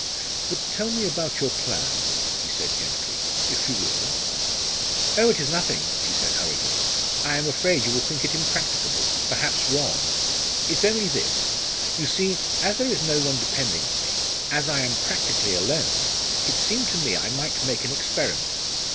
"But tell me about your plan," he said gently, "if you will." "Oh! it is nothing," she said hurriedly. "I am afraid you will think it impracticable perhaps wrong. It's only this: you see, as there is no one depending on me as I am practically alone it seemed to me I might make an experiment.